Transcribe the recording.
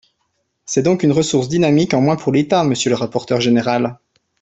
C’est donc une ressource dynamique en moins pour l’État, monsieur le rapporteur général